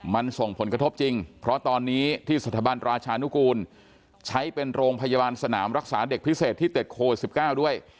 มันส่งผลกระทบจริงเพราะตอนนี้ที่สถาบันราชานุกูลใช้เป็นโรงพยาบาลสนามรักษาเด็กพิเศษที่ติดโควิด๑๙ด้วย